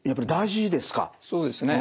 そうですね。